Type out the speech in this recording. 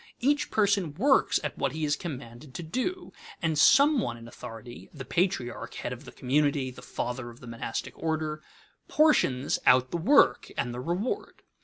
Each person works at what he is commanded to do, and some one in authority (the patriarch, head of the community, the father of the monastic order) portions out the work and the reward.